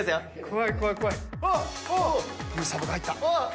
いいサーブが入った。